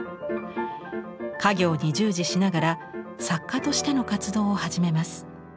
家業に従事しながら作家としての活動を始めます。